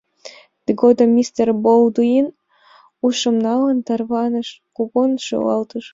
Тыгодым мистер Болдуин, ушым налын, тарваныш, кугун шӱлалтыш: